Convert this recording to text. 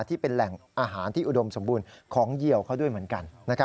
ที่เป็นแหล่งอาหารที่อุดมสมบูรณ์ของเยี่ยวเขาด้วยเหมือนกัน